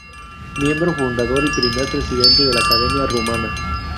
Miembro fundador y primer presidente de la Academia Rumana.